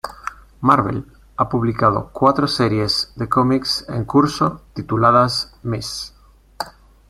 Marvel ha publicado cuatro series de cómics en curso tituladas "Ms.